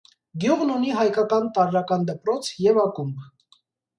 Գյուղն ունի հայկական տարրական դպրոց և ակումբ։